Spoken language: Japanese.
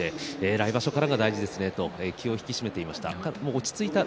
来場所からが大事ですねと気を引き締めていました。